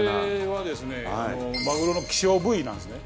マグロの稀少部位なんですね。